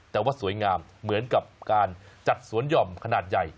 แต่ว่าสวยงามเหมือนกับการจัดสวนหย่อมขนาดใหญ่